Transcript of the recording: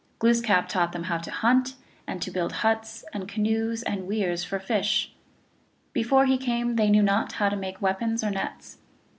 1 Glooskap taught them how to hunt, and to build huts and canoes and weirs for fish. Before he came they knew not how to make weapons or nets.